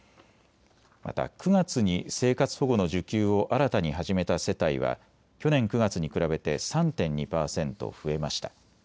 また９月に生活保護の受給を新たに始めた世帯は去年９月に比べて３．２％増えました。